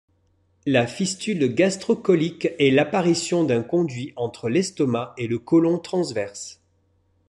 La fistule gastro-colique est l'apparition d'un conduit entre l'estomac et le côlon transverse.